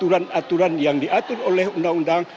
aturan aturan yang diatur oleh undang undang